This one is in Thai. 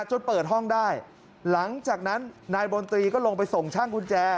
จนเปิดห้องได้หลังจากนั้นนายบนตรีก็ลงไปส่งช่างกุญแจ